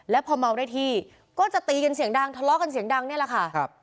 แล้วพอเมาได้ที่ก็จะตีกันเสียงดังทะเลาะกันเสียงดังนี่แหละค่ะ